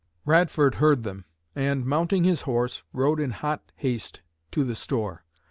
Radford heard them, and, mounting his horse, rode in hot haste to the store.